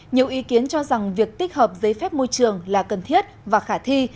nhiều ý kiến cho rằng việc tích hợp giấy phép môi trường là cần thiết và khả thi